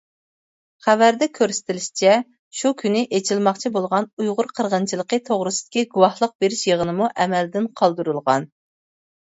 خەۋەردە كۆرسىتىلىشىچە شۇ كۈنى ئېچىلماقچى بولغان ئۇيغۇر قىرغىنچىلىقى توغرىسىدىكى گۇۋاھلىق بېرىش يىغىنىمۇ ئەمەلدىن قالدۇرۇلغان.